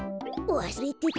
わすれてた。